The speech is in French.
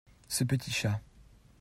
Ce petit chat.